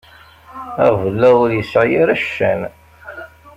Aɣbel-a ur yesɛi ara ccan.